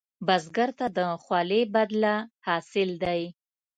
بزګر ته د خولې بدله حاصل دی